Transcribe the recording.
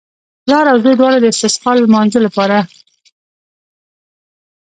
پلار او زوی دواړو د استسقا لمانځه لپاره.